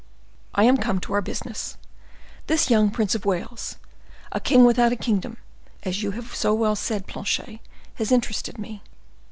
"I am come to our business. This young Prince of Wales, a king without a kingdom, as you have so well said, Planchet, has interested me.